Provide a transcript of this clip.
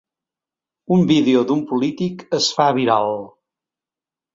Un vídeo d'un polític es fa viral